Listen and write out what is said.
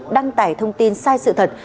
đăng tải thông tin sai sự thật